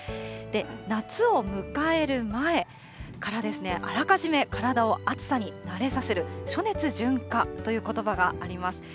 夏を迎える前からあらかじめ体を暑さに慣れさせる、暑熱順化ということばがあります。